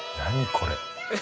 これ。